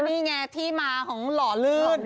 อ๋อนี่ไงที่มาของหล่อลืด